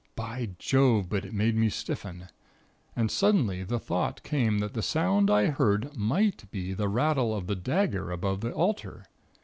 By Jove! but it made me stiffen. And suddenly the thought came that the sound I heard might be the rattle of the dagger above the altar.